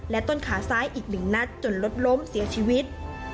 ต้นขาซ้ายอีกหนึ่งนัดจนรถล้มเสียชีวิต